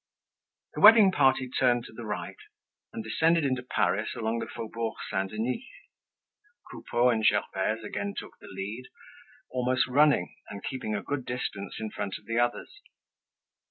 The wedding party turned to the right, and descended into Paris along the Faubourg Saint Denis. Coupeau and Gervaise again took the lead, almost running and keeping a good distance in front of the others.